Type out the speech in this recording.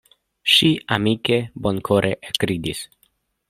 Ŝi amike, bonkore ekridis.